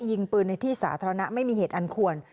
ยิงปืนในที่สาธารณะไม่มีเหตุอันควร